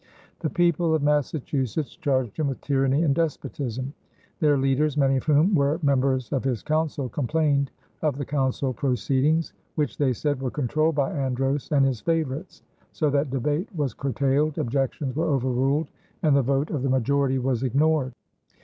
The people of Massachusetts charged him with tyranny and despotism. Their leaders, many of whom were members of his council, complained of the council proceedings, which, they said, were controlled by Andros and his favorites, so that debate was curtailed, objections were overruled, and the vote of the majority was ignored.